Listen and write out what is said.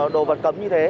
đồ vật cấm như thế